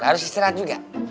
ga harus istirahat juga